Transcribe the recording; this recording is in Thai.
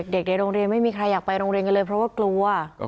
เด็กในโรงเรียนไม่มีใครอยากไปโรงเรียนกันเลยเพราะว่ากลัว